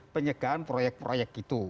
pencegahan proyek proyek itu